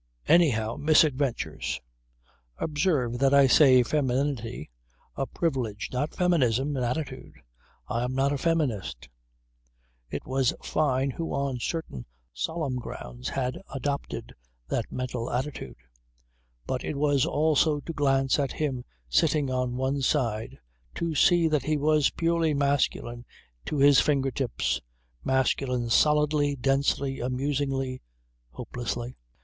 Anyhow misadventures. Observe that I say 'femininity,' a privilege not 'feminism,' an attitude. I am not a feminist. It was Fyne who on certain solemn grounds had adopted that mental attitude; but it was enough to glance at him sitting on one side, to see that he was purely masculine to his finger tips, masculine solidly, densely, amusingly, hopelessly.